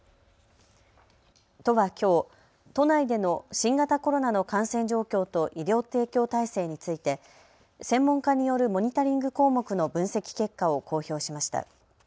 都はきょう、都内での新型コロナの感染状況と医療提供体制について専門家によるモニタリング項目の分析結果を公表しました。